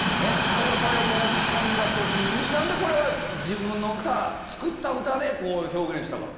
交際を申し込んだ時に何で自分の作った歌で表現したかった？